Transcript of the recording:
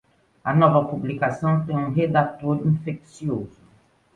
A nova publicação tem um redator infeccioso.